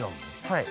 はい。